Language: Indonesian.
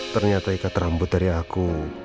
ternyata ikat rambut dari aku